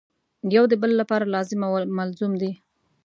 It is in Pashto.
یو د بل لپاره لازم او ملزوم دي.